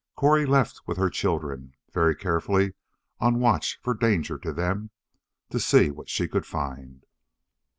Cori left with her children very carefully on watch for danger to them to see what she could find.